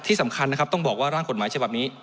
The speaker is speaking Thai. ที่สำคัญนะครับต้องบอกว่าร่างกฎหมายฉบับนี้